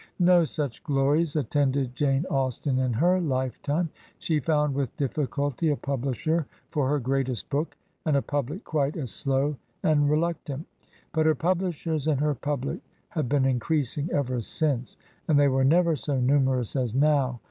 No such glories attended Jane Austen in her lifetime. She found with difiSculty a publisher for her greatest book, and a public quite as slow and reluctant. But her publishers and her public have been increasing ever since, and they were never so numerous as now.